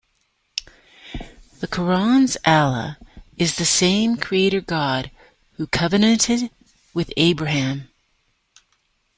The Qur’an's Allah is the same Creator God who covenanted with Abraham".